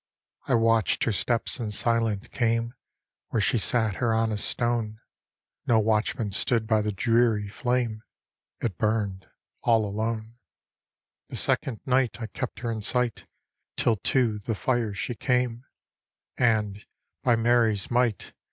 " I watch'd her steps, and silent came Where she sat her on a stone ;— No watchman stood by the dreary flame, It burned all alone. " The second ni^t I kept her in sigjit, Till to the fire she came, And, by Mary's might!